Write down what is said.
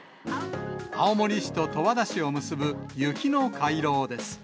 青森市と十和田市を結ぶ雪の回廊です。